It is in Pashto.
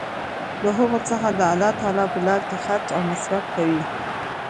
د هغو څخه د الله تعالی په لاره کي خرچ او مصر ف کوي